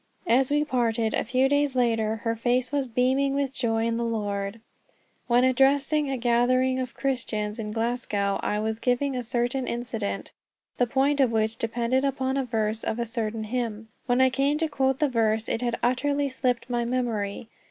As we parted, a few days later, her face was beaming with the joy of the Lord. While addressing a gathering of Christians in Glasgow I was giving a certain incident, the point of which depended upon a verse of a certain hymn. When I came to quote the verse, it had utterly slipped my memory.